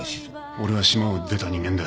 俺は島を出た人間だ。